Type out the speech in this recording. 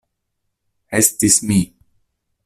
Estis mi.